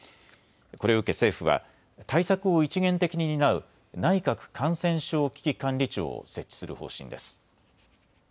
これを受け政府は対策を一元的に担う内閣感染症危機管理庁を設置する方針です。